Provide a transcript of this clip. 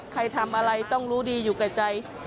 ใครทำอะไรต้องรู้ดีอยู่กับใจ